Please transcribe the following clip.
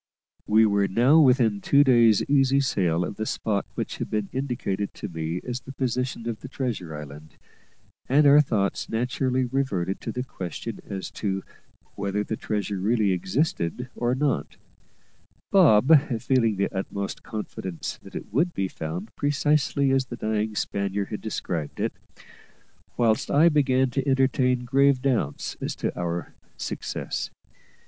We were now within two days' easy sail of the spot which had been indicated to me as the position of the treasure island: and our thoughts naturally reverted to the question as to whether the treasure really existed or not; Bob feeling the utmost confidence that it would be found precisely as the dying Spaniard had described it, whilst I began to entertain grave doubts as to our success.